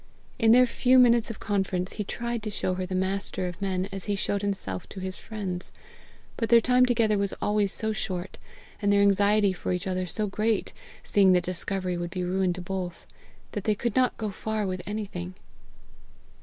In their few minutes of conference, he tried to show her the Master of men as he showed himself to his friends; but their time together was always so short, and their anxiety for each other so great, seeing that discovery would be ruin to both, that they could not go far with anything.